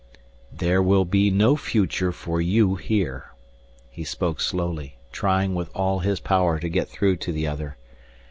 "There will be no future for you here," he spoke slowly, trying with all his power to get through to the other.